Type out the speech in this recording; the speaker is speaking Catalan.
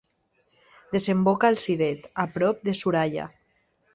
Desemboca al Siret, a prop de Suraia.